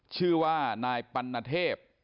ชื่อว่านายปัณฑเทพ